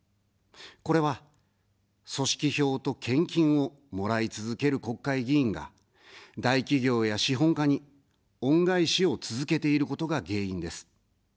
これは、組織票と献金をもらい続ける国会議員が、大企業や資本家に恩返しを続けていることが原因です。